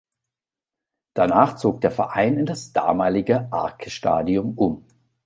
Danach zog der Verein in das damalige Arke-Stadion um.